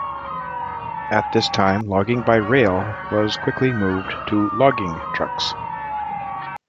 At this time logging by rail was quickly moved to Logging trucks.